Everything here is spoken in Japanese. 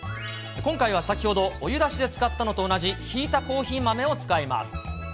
今回は先ほどお湯出しで使ったのと同じひいたコーヒー豆を使います。